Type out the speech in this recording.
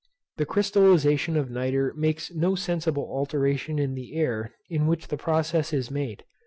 The crystallization of nitre makes no sensible alteration in the air in which the process is made.